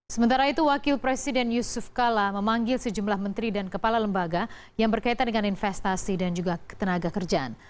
sementara itu wakil presiden yusuf kala memanggil sejumlah menteri dan kepala lembaga yang berkaitan dengan investasi dan juga ketenaga kerjaan